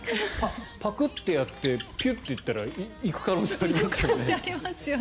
パクッとやってピュッやったら行く可能性ありますけどね。